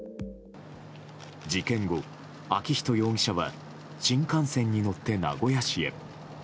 事件後、昭仁容疑者は新幹線に乗って名古屋市へ。